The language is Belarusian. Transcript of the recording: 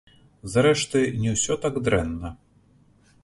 Зрэшты, не ўсё так дрэнна.